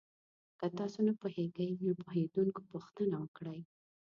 که تاسو نه پوهېږئ، له پوهېدونکو پوښتنه وکړئ.